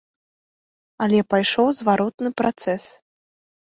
Але пайшоў зваротны працэс.